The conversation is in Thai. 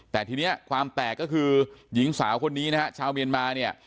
แต่ทีนี้ความแตกก็คือหญิงสาวคนนี้ชาวเมียนมา